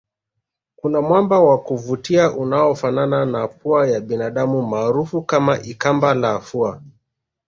Kuna mwamba wa kuvutia unaofanana na pua ya binadamu maarufu kama ikamba la fua